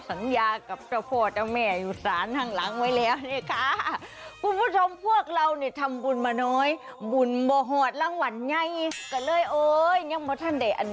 สัญญากับเจ้าพ่อเจ้าแม่อยู่ศาลข้างหลังไว้แล้วนะคะ